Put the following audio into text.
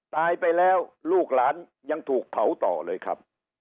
ตายไปแล้วลูกหลานยังถูกเผาต่อเลยครับ